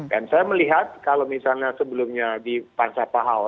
dan saya melihat kalau misalnya sebelumnya di pansapahawo